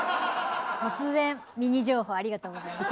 突然ミニ情報ありがとうございます。